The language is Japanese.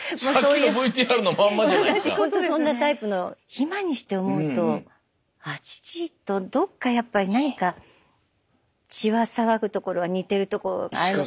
今にして思うと父とどっかやっぱり何か血は騒ぐところは似てるところがあるかなって。